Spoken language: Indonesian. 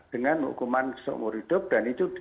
dengan hukuman seumur hidup dan itu